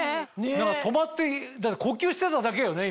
止まって呼吸してただけよね